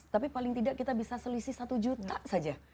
tapi paling tidak kita bisa selisih satu juta saja